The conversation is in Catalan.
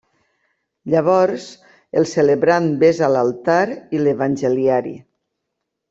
Llavors, el celebrant besa l'altar i l'evangeliari.